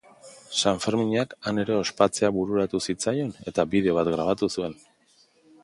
Sanferminak han ere ospatzea bururatu zitzaion eta bideo bat grabatu zuen.